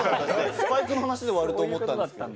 スパイクの話で終わると思ったんですけれど。